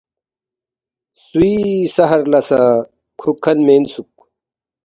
سُوی سحر لہ سہ کُھوک کھن مینسُوک